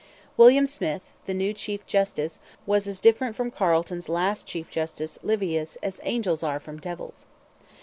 William Smith, the new chief justice, was as different from Carleton's last chief justice, Livius, as angels are from devils.